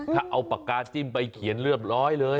ถ้าเอาปากกาจิ้มไปเขียนเรียบร้อยเลย